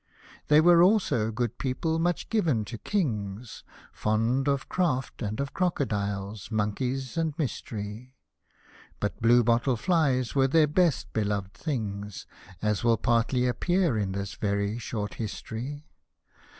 They were also, good people, much given to Kings — Fond of craft and of crocodiles, monkeys and mystery ; But blue bottle flies were their best beloved things — As will partly appear in this very short history.